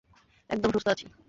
একদম সুস্থ আছি।